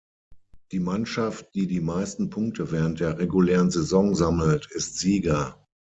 Die Mannschaft, die die meisten Punkte während der regulären Saison sammelt ist Sieger.